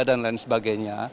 dan lain sebagainya